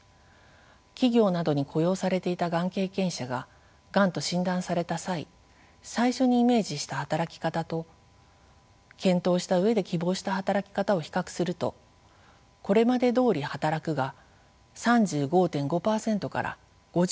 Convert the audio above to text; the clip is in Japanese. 企業などに雇用されていたがん経験者ががんと診断された際「最初にイメージした働き方」と「検討した上で希望した働き方」を比較すると「これまでどおり働く」が３５．５％から５７．０％へと大きく増加しています。